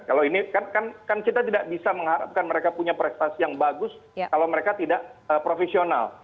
kalau ini kan kita tidak bisa mengharapkan mereka punya prestasi yang bagus kalau mereka tidak profesional